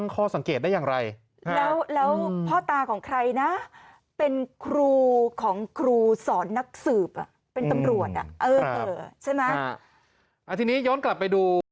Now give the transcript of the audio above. ของใครนะเป็นครูของครูสอนนักสืบเป็นตำรวจใช่ไหมทีนี้ย้อนกลับไปดู